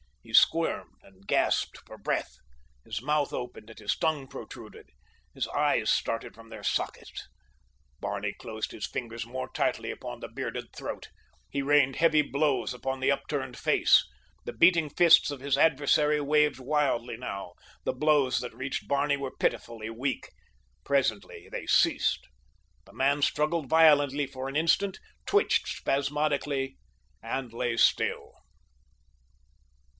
He squirmed and gasped for breath. His mouth opened and his tongue protruded. His eyes started from their sockets. Barney closed his fingers more tightly upon the bearded throat. He rained heavy blows upon the upturned face. The beating fists of his adversary waved wildly now—the blows that reached Barney were pitifully weak. Presently they ceased. The man struggled violently for an instant, twitched spasmodically and lay still.